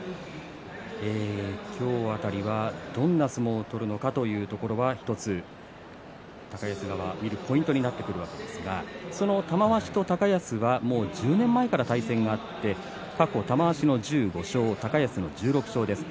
今日辺りはどんな相撲を取るのかというところは１つ、高安側見るポイントになってくるわけですが玉鷲と高安はもう１０年前から対戦があって過去、玉鷲の１５勝高安の１６勝です。